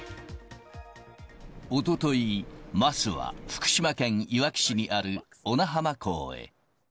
おととい、桝は福島県いわき市にある小名浜港へ。